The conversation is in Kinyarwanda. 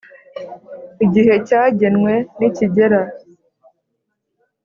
igihe cyagenwe nikigera